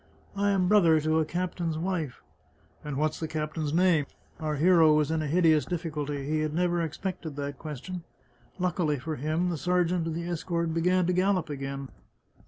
" I am brother to a captain's wife." " And what's the captain's name ?" Our hero was in a hideous difficulty; he had never ex pected that question. Luckily for him, the sergeant and the escort began to gallop again.